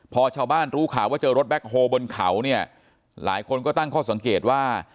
พอชาวบ้านรู้ข่าวว่าเจอรถแบ็คโฮลบนเขาเนี่ยหลายคนก็ตั้งข้อสังเกตว่า